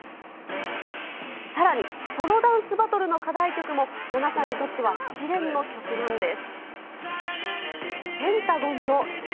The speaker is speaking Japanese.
さらに、ソロダンスバトルの課題曲もナナさんにとっては試練の曲なんです。